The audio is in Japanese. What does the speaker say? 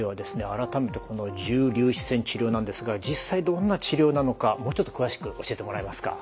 改めてこの重粒子線治療なんですが実際どんな治療なのかもうちょっと詳しく教えてもらえますか。